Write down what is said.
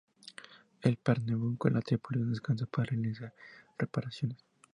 En Pernambuco la tripulación descansa para realizar reparaciones.